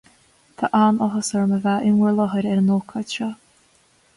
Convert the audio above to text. Tá an-áthas orm a bheith in bhur láthair ar an ócáid seo